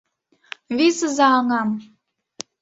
Висыза аҥам!